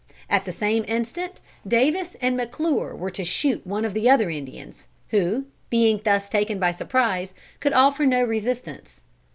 At the same instant, Davis and McClure were each to shoot one of the other Indians, who, being thus taken by surprise, could offer no resistance.